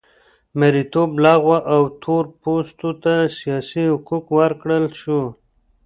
مریتوب لغوه او تور پوستو ته سیاسي حقوق ورکړل شول.